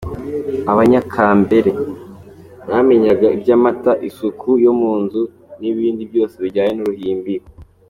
Abanyakambere : Bamenyaga iby’ amata ,isuku yo mu nzu, n’ibindi byose bijyanye n’uruhimbi.